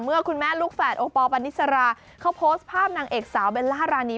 คุณแม่ลูกแฝดโอปอลปานิสราเขาโพสต์ภาพนางเอกสาวเบลล่ารานี